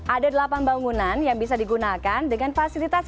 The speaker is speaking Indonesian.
ada delapan bangunan yang bisa digunakan dengan fasilitas